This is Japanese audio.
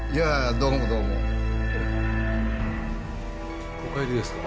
どうもどうもお帰りですか？